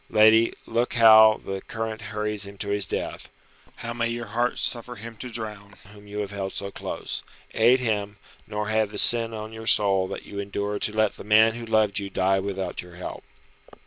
Lady, look how the current hurries him to his death. How may your heart suffer him to drown whom you have held so close! Aid him, nor have the sin on your soul that you endured to let the man who loved you die without your help."